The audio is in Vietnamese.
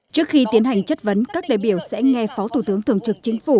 trước khi tiến hành chất vấn các đại biểu sẽ nghe phó thủ tướng thường trực chính phủ